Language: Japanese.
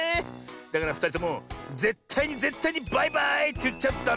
だからふたりともぜったいにぜったいにバイバーイっていっちゃダメサボだよ。